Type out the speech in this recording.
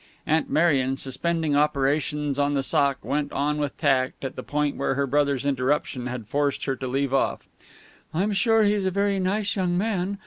Aunt Marion, suspending operations on the sock, went on with tact at the point where her brother's interruption had forced her to leave off. "I'm sure he's a very nice young man.